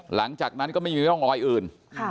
หลังจากนั้นก็ไม่มีร่องรอยอื่น